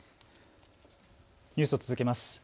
ニュースを続けます。